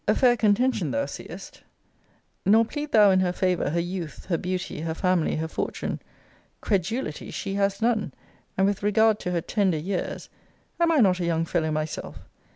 A fair contention, thou seest: nor plead thou in her favour her youth, her beauty, her family, her fortune, CREDULITY, she has none; and with regard to her TENDER YEARS, Am I not a young fellow myself?